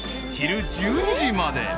［昼１２時まで］